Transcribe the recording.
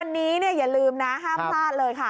วันนี้อย่าลืมนะห้ามพลาดเลยค่ะ